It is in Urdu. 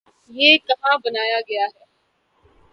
یہ کہاں بنایا گیا ہے؟